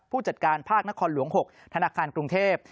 ผู้จัดการภาคนครหลวง๖ธนาคารกรุงเทพ